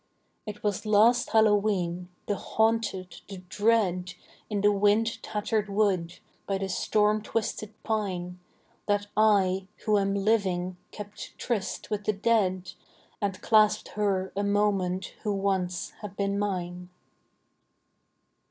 It was last Hallowe'en, the haunted, the dread, In the wind tattered wood, by the storm twisted pine, That I, who am living, kept tryst with the dead, And clasped her a moment who once had been mine.